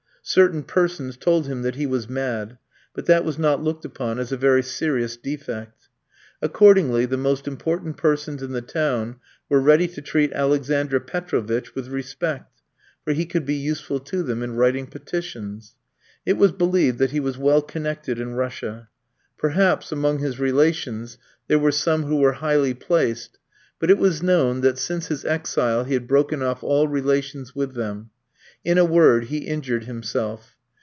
Certain persons told him that he was mad; but that was not looked upon as a very serious defect. Accordingly, the most important persons in the town were ready to treat Alexander Petrovitch with respect, for he could be useful to them in writing petitions. It was believed that he was well connected in Russia. Perhaps, among his relations, there were some who were highly placed; but it was known that since his exile he had broken off all relations with them. In a word he injured himself.